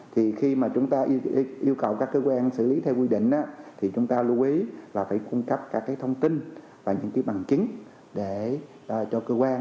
thì khi mà chúng ta yêu cầu các cơ quan xử lý theo quy định thì chúng ta lưu ý là phải cung cấp các thông tin và những cái bằng chứng để cho cơ quan